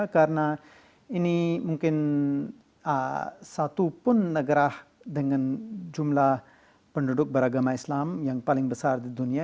karena ini mungkin satu pun negara dengan jumlah penduduk beragama islam yang paling besar di dunia